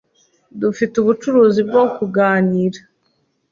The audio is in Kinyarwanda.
Dufite ubucuruzi bwo kuganira.